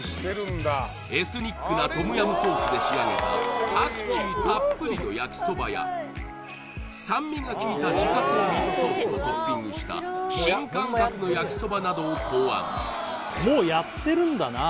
エスニックなトムヤムソースで仕上げたパクチーたっぷりの焼きそばや酸味が効いた自家製ミートソースをトッピングした新感覚の焼きそばなどを考案